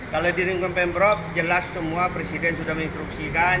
kalau di lingkungan pemprov jelas semua presiden sudah menginstruksikan